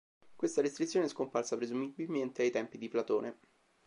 Questa restrizione è scomparsa presumibilmente ai tempi di Platone.